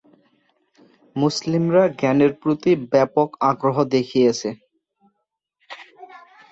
মুসলিমরা জ্ঞানের প্রতি ব্যাপক আগ্রহ দেখিয়েছে।